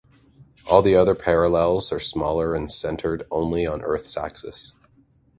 All the other parallels are smaller and centered only on Earth's axis.